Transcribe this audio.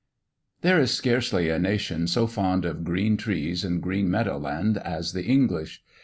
There is scarcely a nation so fond of green trees and green meadow land as the English.